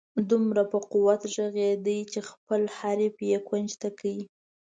دومره په قوت ږغېده چې خپل حریف یې کونج ته کړ.